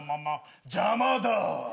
邪魔だ。